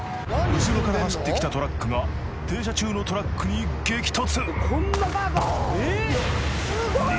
後ろから走ってきたトラックが停車中のトラックに激突！